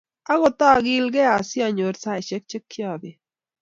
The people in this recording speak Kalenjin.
Agot agilgee asianyoru saishek chekyapeet